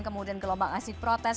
kemudian gelombang asyik protes